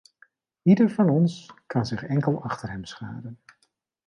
Ieder van ons kan zich enkel achter hem scharen.